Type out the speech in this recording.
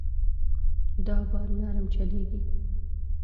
دا باد نرم چلېږي.